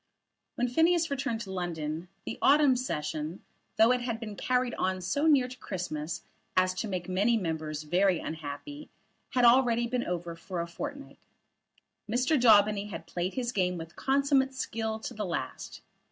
When Phineas returned to London, the autumn Session, though it had been carried on so near to Christmas as to make many members very unhappy, had already been over for a fortnight. Mr. Daubeny had played his game with consummate skill to the last.